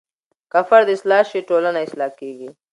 که فرد اصلاح شي ټولنه اصلاح کیږي.